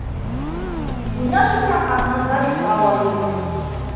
Уйнаш иткән ҡатыны Зарифа ла юҡ.